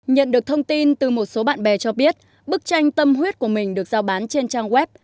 nhận được thông tin từ một số bạn bè cho biết bức tranh tâm huyết của mình được giao bán trên trang web